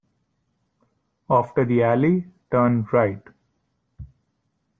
After the alley, turn right.